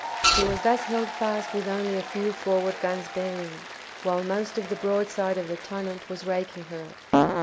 She was thus held fast with only a few forward guns bearing, while most of the broadside of the "Tonnant" was raking her.